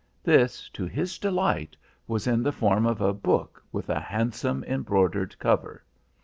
This, to his delight, was in the form of a book with a handsome embroidered cover.